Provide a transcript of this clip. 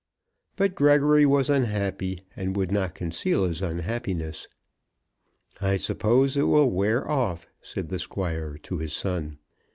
But Gregory was unhappy, and would not conceal his unhappiness. "I suppose it will wear off," said the Squire to his son.